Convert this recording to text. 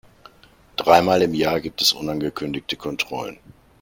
Dreimal im Jahr gibt es unangekündigte Kontrollen.